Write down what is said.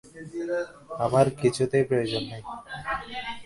আমার কিছুতেই প্রয়োজন নাই।